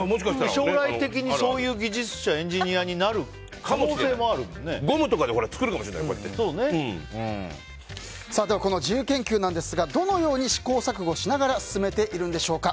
将来的にそういう技術者エンジニアになるではこの自由研究なんですがどのように試行錯誤しながら進めているんでしょうか。